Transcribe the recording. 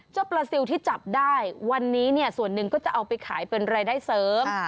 ปลาซิลที่จับได้วันนี้เนี่ยส่วนหนึ่งก็จะเอาไปขายเป็นรายได้เสริม